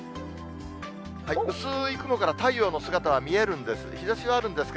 薄ーい雲から太陽の姿は見えるんです。